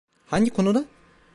Hangi konuda?